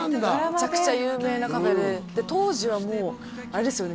めちゃくちゃ有名なカフェで当時はもうあれですよね